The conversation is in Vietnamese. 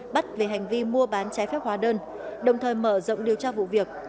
bắt về hành vi mua bán trái phép hóa đơn đồng thời mở rộng điều tra vụ việc